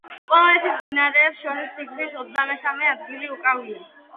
პოლონეთის მდინარეებს შორის სიგრძით ოცდამესამე ადგილი უკავია.